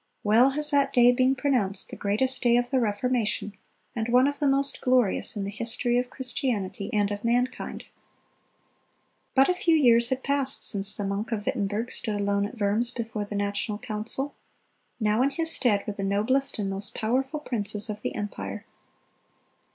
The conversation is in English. Well has that day been pronounced "the greatest day of the Reformation, and one of the most glorious in the history of Christianity and of mankind."(302) But a few years had passed since the monk of Wittenberg stood alone at Worms before the national council. Now in his stead were the noblest and most powerful princes of the empire.